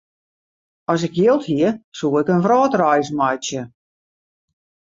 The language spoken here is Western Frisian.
As ik jild hie, soe ik in wrâldreis meitsje.